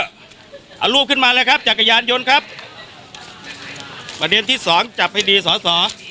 เอารูปขึ้นมาเลยครับจักรยานยนต์ครับประเด็นที่สองจับให้ดีสอสอ